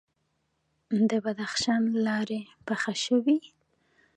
د بدخشان لارې پاخه شوي؟